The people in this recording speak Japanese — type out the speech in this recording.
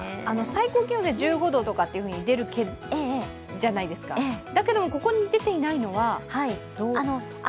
最高気温１５度って出るじゃないですかだけども、ここに出ていないのはどうして？